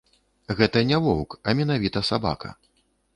Гэта не воўк, а менавіта сабака.